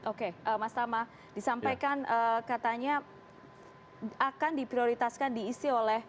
oke mas tama disampaikan katanya akan diprioritaskan diisi oleh